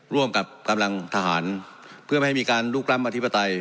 ร่วมกับกำลังทหารเพื่อไม่ให้มีการลุกล้ำอธิปไตย